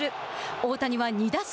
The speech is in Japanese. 大谷は２打数